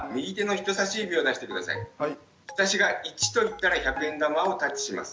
私が１と言ったら１００円玉をタッチします。